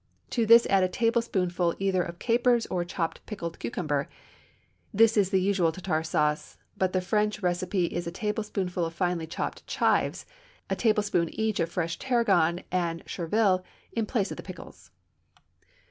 To this add a tablespoonful either of capers or chopped pickled cucumber; this is the usual Tartare sauce; but the French recipe is a tablespoonful of very finely chopped chives, a teaspoonful each of fresh tarragon and chervil in place of the pickles.